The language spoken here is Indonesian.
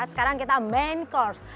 sekarang kita main course